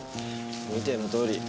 見てのとおり。